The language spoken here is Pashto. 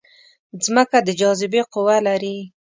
مځکه د جاذبې قوه لري.